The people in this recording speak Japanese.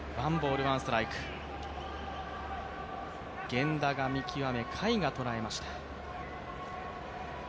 源田が見極め、甲斐が捉えました。